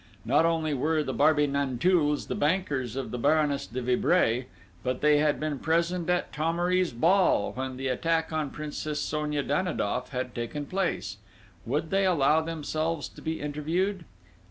Not only were the Barbey Nanteuils the bankers of the Baroness de Vibray, but they had been present at Thomery's ball, when the attack on Princess Sonia Danidoff had taken place.... Would they allow themselves to be interviewed?